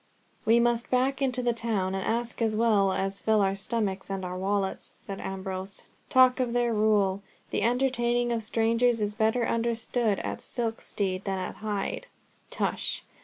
"We must back into the town and ask, as well as fill our stomachs and our wallets," said Ambrose. "Talk of their rule! The entertaining of strangers is better understood at Silkstede than at Hyde." "Tush!